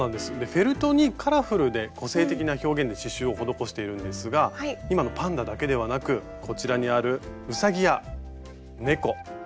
フェルトにカラフルで個性的な表現で刺しゅうを施しているんですが今のパンダだけではなくこちらにあるうさぎや猫。